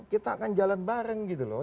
kita akan jalan bareng gitu loh